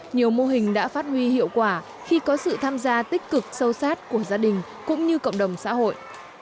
nhiều mô hình đã phát huy hiệu quả khi có sự tham gia tích cực sâu sát của gia đình cũng như cộng đồng xã hội